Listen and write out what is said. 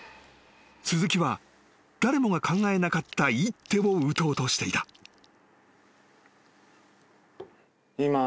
［鈴木は誰もが考えなかった一手を打とうとしていた］えっ？